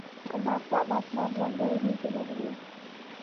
د ماښام اسمان رنګه ورېځې لرلې.